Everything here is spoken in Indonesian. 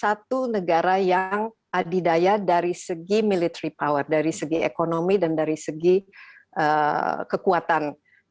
satu negara yang adidaya dari segi military power dari segi ekonomi dan dari segi kekuatan